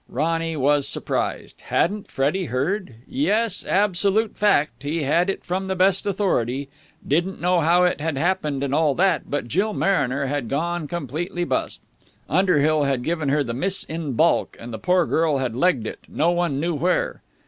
Ronny was surprised. Hadn't Freddie heard? Yes, absolute fact. He had it from the best authority. Didn't know how it had happened and all that, but Jill Mariner had gone completely bust; Underhill had given her the miss in baulk; and the poor girl had legged it, no one knew where.